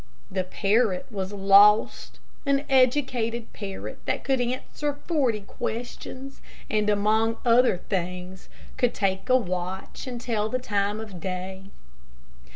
The parrot was lost an educated parrot that could answer forty questions, and, among other things, could take a watch and tell the time of day.